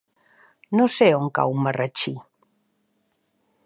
No sé on cau Marratxí.